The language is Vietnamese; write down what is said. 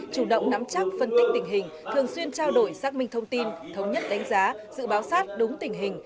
chủ động nắm chắc phân tích tình hình thường xuyên trao đổi xác minh thông tin thống nhất đánh giá dự báo sát đúng tình hình